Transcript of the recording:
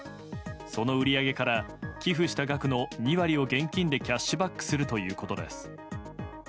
その売り上げから寄付した額の２割を現金でキャッシュバックするということです。